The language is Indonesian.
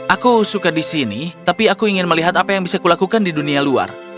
aku suka di sini tapi aku ingin melihat apa yang bisa kulakukan di dunia luar